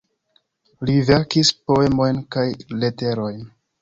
Li verkis poemojn kaj leterojn.